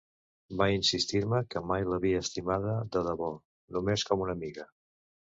Va insistir-me que mai l'havia estimada de debò, només com una amiga.